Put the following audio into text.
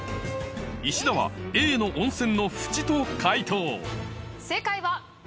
石田はＡの温泉のフチと解答正解は！